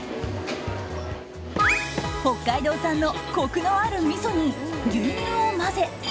北海道産のコクのあるみそに牛乳を混ぜ